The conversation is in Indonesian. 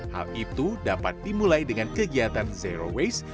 hal itu dapat dimulai dengan kegiatan zero waste